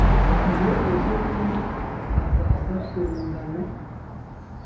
Ngo ejobundi hazaza urungano